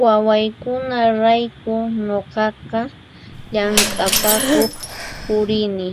Wawaykunaraykun nuqaqa llamk'apakuq purini